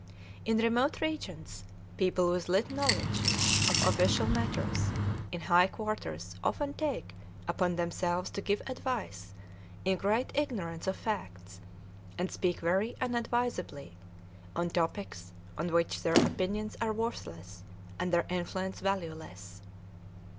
In remote regions, people with little knowledge of official matters in high quarters often take upon themselves to give advice in great ignorance of facts, and speak very unadvisedly on topics on which their opinions are worthless and their influence valueless.